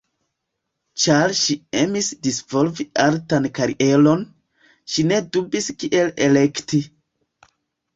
Ĉar ŝi emis disvolvi artan karieron, ŝi ne dubis kiel elekti.